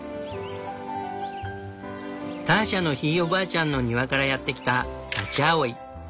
ターシャのひいおばあちゃんの庭からやって来たタチアオイ。